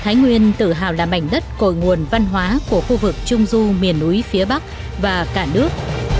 thái nguyên tự hào là mảnh đất cội nguồn văn hóa của khu vực trung du miền núi phía bắc và cả nước